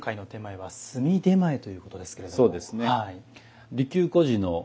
はい。